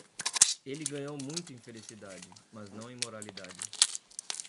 Ele ganhou muito em felicidade, mas não em moralidade.